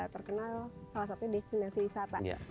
terkenal salah satunya definisi wisata